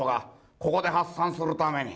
ここで発散するために。